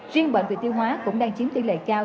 riêng bệnh viện tiêu hóa cũng đang chiếm tỷ lệ cao